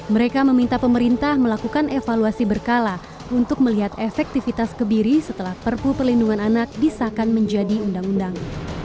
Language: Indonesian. mereka meminta pemerintah melakukan evaluasi berkala untuk melihat efektivitas kebiri setelah perpu perlindungan anak disahkan menjadi undang undang